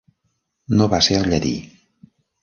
No va ser el llatí.